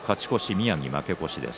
宮城、負け越しです。